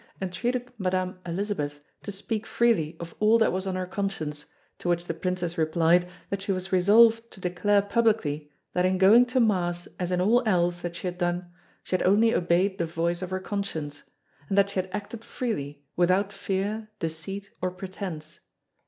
entreated Madame Elizabeth to speak freely of all that was on her conscience, to which the Princess replied that she was resolved to declare publicly that in going to Mass as in all else that she had done, she had only obeyed the voice of her conscience; and that she had acted freely, without fear, deceit, or pretence.